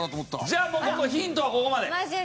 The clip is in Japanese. じゃあもうヒントはここまで。